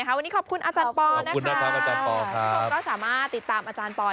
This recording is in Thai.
วันนี้ขอบคุณอาจารย์ปอล์นะครับทุกคนก็สามารถติดตามอาจารย์ปอล์